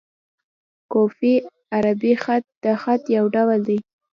کوفي عربي خط؛ د خط یو ډول دﺉ.